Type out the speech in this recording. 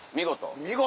見事。